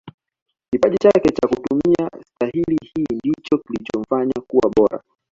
kipaji chake cha kutumia stahili hii ndicho kilichomfanya kuwa bora